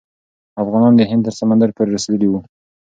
افغانان د هند تر سمندر پورې رسیدلي وو.